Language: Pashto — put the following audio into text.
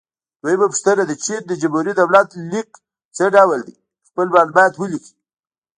دویمه پوښتنه: د چین د جمهوري دولت لیک څه ډول دی؟ خپل معلومات ولیکئ.